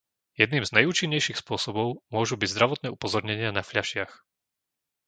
Jedným z najúčinnejších spôsobov môžu byť zdravotné upozornenia na fľašiach.